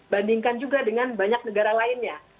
bandingkan juga dengan banyak negara lainnya